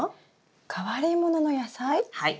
はい。